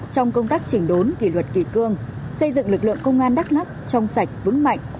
trong công tác chỉnh đốn thì luật kỳ cương xây dựng lực lượng công an đắk lắk trong sạch vững mạnh